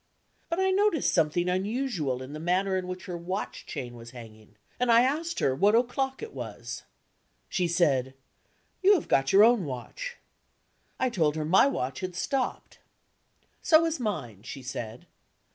But I noticed something unusual in the manner in which her watch chain was hanging, and I asked her what o'clock it was. She said, "You have got your own watch." I told her my watch had stopped. "So has mine," she said.